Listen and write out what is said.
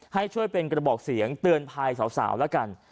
ให้ช่วยเป็นกระบอกเสียงเตือนภัยสาวแล้วกัน